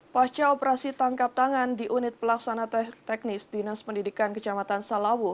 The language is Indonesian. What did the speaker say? pasca operasi tangkap tangan di unit pelaksana teknis dinas pendidikan kecamatan salawu